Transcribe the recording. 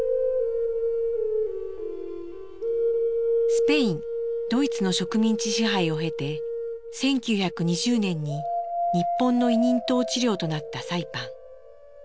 スペインドイツの植民地支配を経て１９２０年に日本の委任統治領となったサイパン。